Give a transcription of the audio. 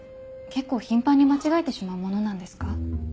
結構頻繁に間違えてしまうものなんですか？